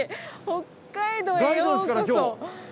北海道へようこそ」。